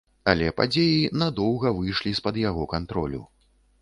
Але падзеі надоўга выйшлі з-пад яго кантролю.